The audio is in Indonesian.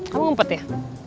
kamu ngumpet ya